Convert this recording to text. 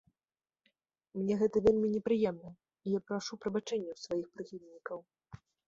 Мне гэта вельмі непрыемна, і я прашу прабачэння ў сваіх прыхільнікаў!